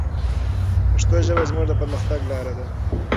پښتو ژبه زموږ د پرمختګ لاره ده.